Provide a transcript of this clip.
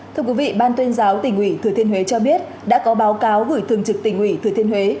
thưa quý vị ban tuyên giáo tỉnh ủy thừa thiên huế cho biết đã có báo cáo gửi thường trực tỉnh ủy thừa thiên huế